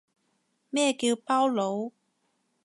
咩叫包佬